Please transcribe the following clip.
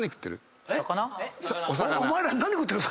お前ら何食ってんの？